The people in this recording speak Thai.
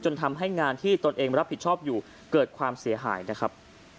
ทำให้งานที่ตนเองรับผิดชอบอยู่เกิดความเสียหายนะครับ